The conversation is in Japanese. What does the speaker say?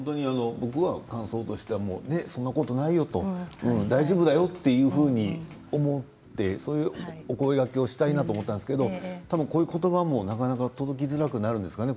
僕の感想としてはそんなことないよ、大丈夫だよと思ってそういうお声がけをしたいなと思ったんですがこういう言葉もなかなか届きづらくなるんですかね